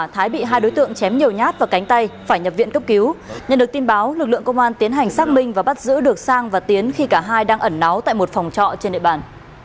thái bắt vào cánh tay phải nhập viện cấp cứu nhân được tin báo lực lượng công an tiến hành xác minh và bắt giữ được sang và tiến khi cả hai đang ẩn náu tại một phòng trọ trên địa bàn